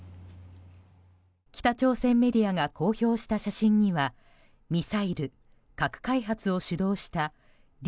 北朝鮮メディアが公表した写真にはミサイル・核開発を主導したリ・